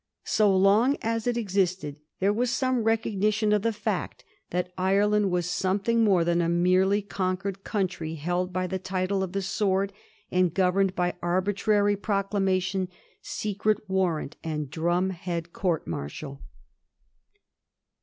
So long as it existed there was some recognition of the fact that Ireland was something more than a merely conquered country held by the title of the sword, and governed by arbitrary pro clamation, secret warrant, and drum head court martial.